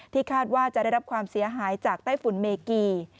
คาดว่าจะได้รับความเสียหายจากไต้ฝุ่นเมกี